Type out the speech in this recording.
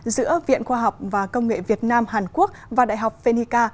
giữa viện khoa học và công nghệ việt nam hàn quốc và đại học phenica